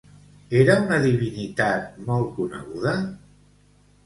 Era una divinitat molt coneguda?